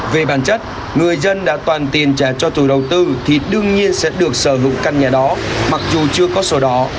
về bản chất người dân đã toàn tiền trả cho chủ đầu tư thì đương nhiên sẽ được sở hữu căn nhà đó mặc dù chưa có sổ đỏ